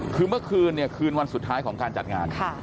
คือเมื่อคืนเนี่ยคืนวันสุดท้ายของการจัดงาน